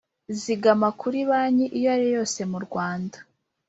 Zigama kuri banki iyo ariyo yose mu Rwanda